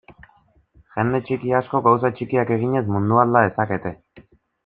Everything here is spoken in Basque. Jende txiki askok, gauza txikiak eginez, mundua alda dezake.